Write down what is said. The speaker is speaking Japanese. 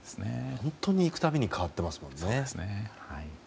本当に行く度に変わってますもんね。